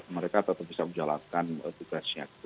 mereka tetap bisa menjalankan digresinya gitu